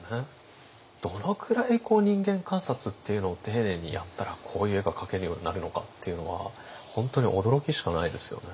どのくらい人間観察っていうのを丁寧にやったらこういう絵が描けるようになるのかっていうのは本当に驚きしかないですよね。